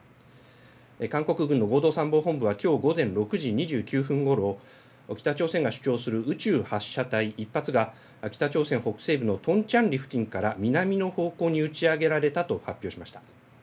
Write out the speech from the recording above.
韓国軍の合同参謀本部はきょう午前６時２９分ごろ、北朝鮮が主張する宇宙発射体１発が北朝鮮北西部のトンチャンリ付近から南の方向に打ち上げられたと発表しました。